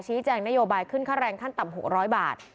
แจ้งนโยบายขึ้นค่าแรงขั้นต่ำ๖๐๐บาท